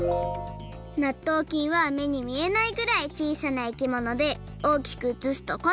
なっとうきんはめにみえないぐらいちいさないきものでおおきくうつすとこんなかんじ！